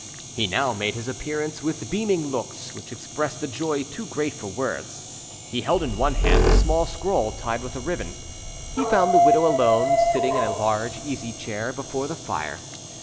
He now made his appearance with beaming looks, which expressed a joy too great for words. He held in one hand a small scroll tied with a ribbon. He found the widow alone, sitting in a large easy chair before the fire.